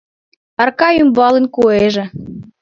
Арка ӱмбалын куэже